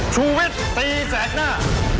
ชูวิตตีแสกหน้า